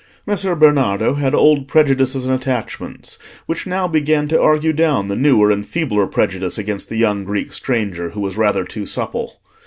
Messer Bernardo had old prejudices and attachments which now began to argue down the newer and feebler prejudice against the young Greek stranger who was rather too supple.